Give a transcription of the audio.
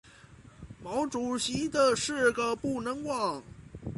毛主席的四个不能忘！